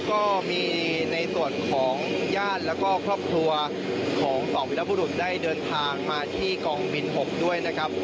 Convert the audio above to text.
ก็มีในส่วนของญาติแล้วก็ครอบครัวของสองวิรบุรุษได้เดินทางมาที่กองบิน๖ด้วยนะครับ